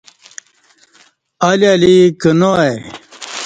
الی الی کنا ای